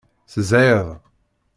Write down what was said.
Tezhiḍ.